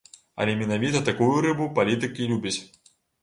Але менавіта такую рыбу палітык і любіць.